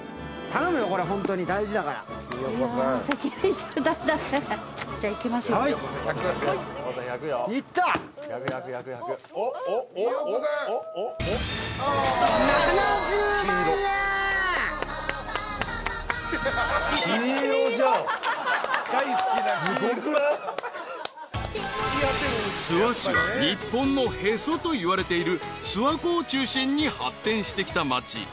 ［諏訪市は日本のへそといわれている諏訪湖を中心に発展してきた町］